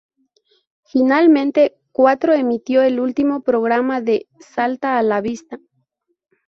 Finalmente, Cuatro emitió el último programa de "¡Salta a la vista!